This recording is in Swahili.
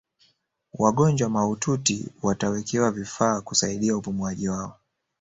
wagonjwa mahututi watawekewa vifaa kusaidia upumuaji wao